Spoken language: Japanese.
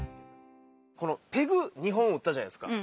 このペグ２本打ったじゃないですか。